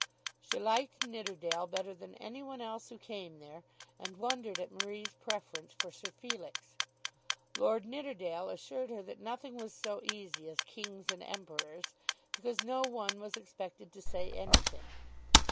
She liked Nidderdale better than any one else who came there, and wondered at Marie's preference for Sir Felix. Lord Nidderdale assured her that nothing was so easy as kings and emperors, because no one was expected to say anything.